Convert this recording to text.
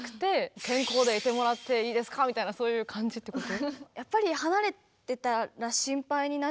みたいなそういう感じってこと？